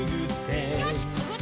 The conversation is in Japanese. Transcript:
よしくぐって！